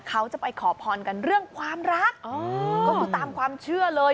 เขาจะไปขอพรกันเรื่องความรักก็คือตามความเชื่อเลย